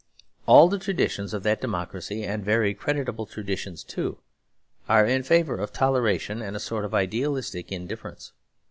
All the traditions of that democracy, and very creditable traditions too, are in favour of toleration and a sort of idealistic indifference.